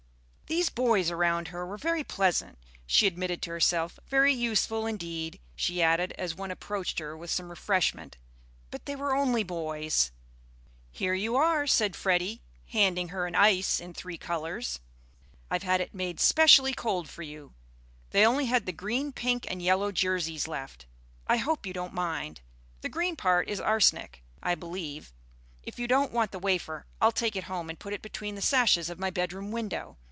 These boys around her were very pleasant, she admitted to herself; very useful, indeed, she added, as one approached her with some refreshment; but they were only boys. "Here you are," said Freddy, handing her an ice in three colours. "I've had it made specially cold for you. They only had the green, pink and yellow jerseys left; I hope you don't mind. The green part is arsenic, I believe. If you don't want the wafer I'll take it home and put it between the sashes of my bedroom window.